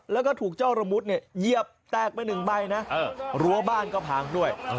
แล้วก็ถูกเจ้าระมุดเนี่ยเหยียบแตกไปหนึ่งใบนะรั้วบ้านก็พังด้วย